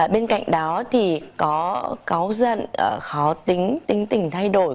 bên cạnh đó thì có cáo dân khó tính tính tình thay đổi